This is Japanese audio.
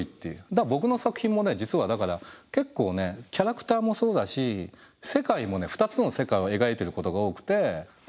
だから僕の作品もね実はだから結構ねキャラクターもそうだし世界もね２つの世界を描いていることが多くて。